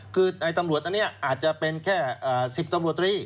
คือในตำรวจอันนี้อาจจะเป็นแค่๑๐ตำรวจตรี